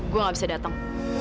gua gak bisa dateng